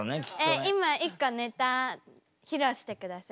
えっ今一個ネタ披露してください。